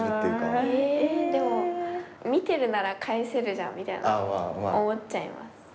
えでも見てるなら返せるじゃんみたいな思っちゃいます。